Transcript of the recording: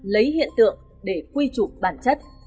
đấy hiện tượng để quy trụ bản chất